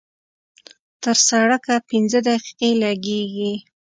تر سړکه پينځه دقيقې لګېږي.